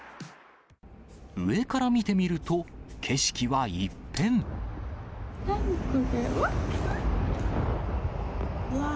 上から見てみると、何これ、うわぁ！